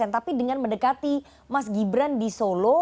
tapi dengan mendekati mas gibran di solo